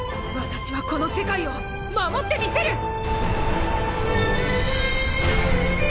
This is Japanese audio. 私はこの世界を守ってみせる！